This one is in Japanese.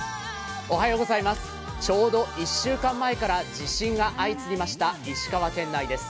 ちょうど１週間前から地震が相次ぎました石川県内です。